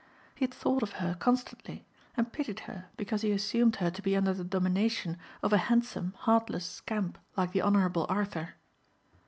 He had thought of her constantly and pitied her because he assumed her to be under the domination of a handsome heartless scamp like the Honourable Arthur.